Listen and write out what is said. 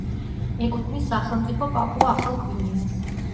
ეკუთვნის სახელმწიფო პაპუა-ახალ გვინეას.